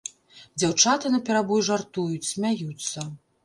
Дзяўчаты наперабой жартуюць, смяюцца.